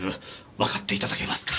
わかっていただけますか。